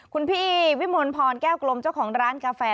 คุณพี่วิมลพรแก้วกลมเจ้าของร้านกาแฟ